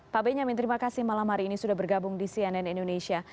pak benyamin terima kasih malam hari ini sudah bergabung di cnn indonesia